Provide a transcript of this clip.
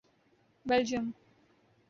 Belgium